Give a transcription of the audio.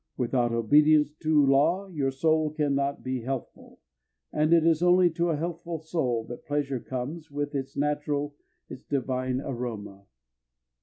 Without obedience to law your soul can not be healthful, and it is only to a healthful soul that pleasure comes with its natural, its divine, aroma.